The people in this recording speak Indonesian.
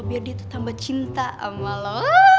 biar dia tuh tambah cinta sama lo